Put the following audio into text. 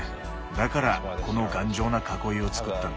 だからこの頑丈な囲いを造ったんです。